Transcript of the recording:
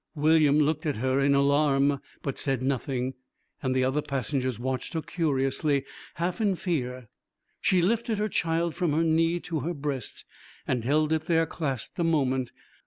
William looked at her in alarm, but said nothing, and the other passengers watched her curiously, half in fear. She lifted her child from her knee to her breast, and held it there clasped a moment.